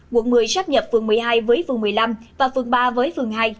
quận một mươi sắp nhập phường một mươi hai với phường một mươi năm và phường ba với phường hai